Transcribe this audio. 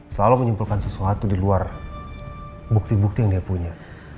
selalu menyimpulkan sesuatu di luar bukti bukti yang dia punya